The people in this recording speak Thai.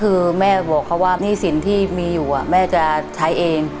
คือแม่บอกเขาว่าหนี้สินที่มีอยู่แม่จะใช้เอง